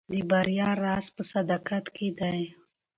د بریا راز په صداقت کې دی.